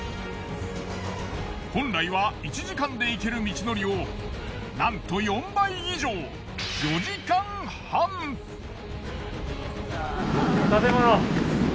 本来は１時間で行ける道のりをなんと４倍以上建物。